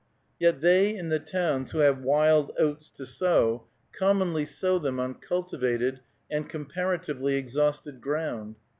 Yet they in the towns who have wild oats to sow commonly sow them on cultivated and comparatively exhausted ground.